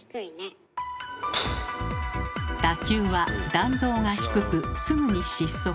打球は弾道が低くすぐに失速。